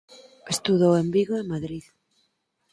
Estudou en Vigo e Madrid.